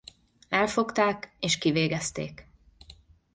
Elfogták és kivégezték.